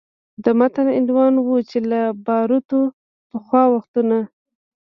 د متن عنوان و چې له باروتو پخوا وختونه